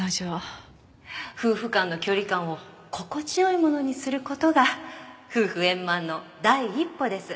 「夫婦間の距離感を心地よいものにする事が夫婦円満の第一歩です」